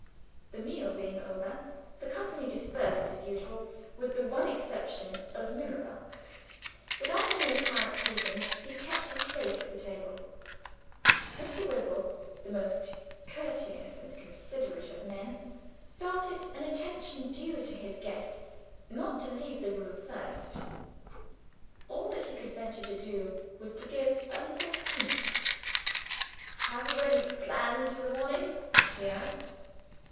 The meal being over, the company dispersed as usual with the one exception of Mirabel. Without any apparent reason, he kept his place at the table. Mr. Wyvil, the most courteous and considerate of men, felt it an attention due to his guest not to leave the room first. All that he could venture to do was to give a little hint. "Have you any plans for the morning?" he asked.